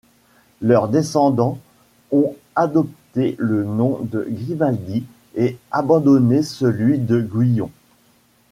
Leurs descendants ont adopté le nom de Grimaldi et abandonné celui de Gouyon.